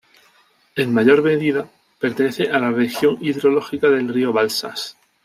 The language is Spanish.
En mayor medida, pertenece a la región hidrológica del río Balsas.